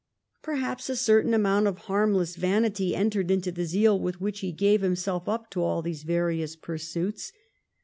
Perhaps a certain amount of harmless vanity entered into the zeal with which he gave himself up to all those various pursuits.